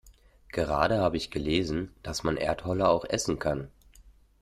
Gerade hab ich gelesen, dass man Erdholler auch essen kann.